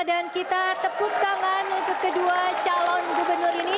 dan kita tepuk tangan untuk kedua calon gubernur ini